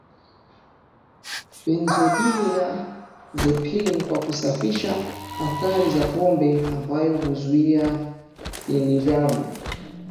benzodiazepini kwa kusafisha athari za pombe ambayo huzuia deliriamu